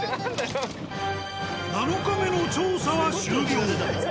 ７日目の調査は終了。